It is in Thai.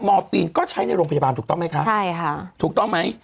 อร์ฟีนก็ใช้ในโรงพยาบาลถูกต้องไหมคะใช่ค่ะถูกต้องไหม